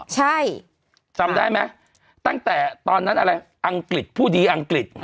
ใช่จำได้ไหมตั้งแต่ตอนนั้นอะไรอังกฤษผู้ดีอังกฤษ